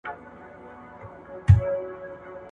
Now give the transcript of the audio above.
ټولنيزې پېښې ولي رامنځته کيږي؟